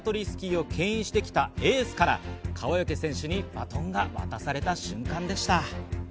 スキーを牽引してきたエースから川除選手にバトンが渡された瞬間でした。